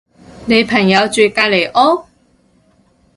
你朋友住隔離屋？